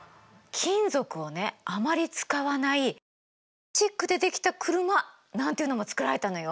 金属をねあまり使わないプラスチックで出来た車なんていうのも作られたのよ。